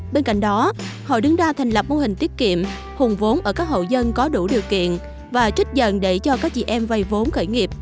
bên cạnh đó hội đứng ra thành lập mô hình tiết kiệm hùng vốn ở các hậu dân có đủ điều kiện và trích dần để cho các chị em vây vốn khởi nghiệp